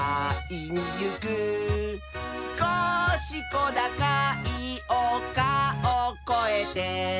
「すこしこだかいおかをこえて」